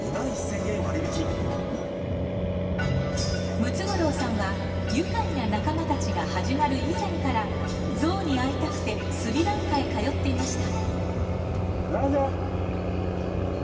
ムツゴロウさんは「ゆかいな仲間たち」が始まる以前から象に会いたくてスリランカへ通っていました。